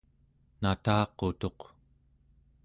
nataqutuq